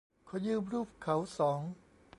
ขอยืมรูปเขาสอง